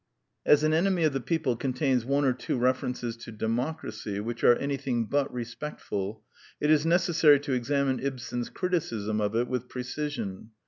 As An Enemy of the People contains one or two references to Democracy which are anything but respectful, it is necessary to examine Ibsen's criticism of it with precision.